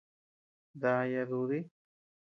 Dáaya dudi.